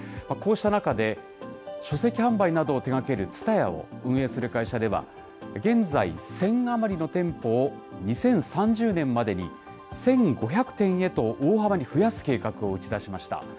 こうした中で、書籍販売などを手がけるＴＳＵＴＡＹＡを運営する会社では、現在１０００余りの店舗を２０３０年までに１５００店へと大幅に増やす計画を打ち出しました。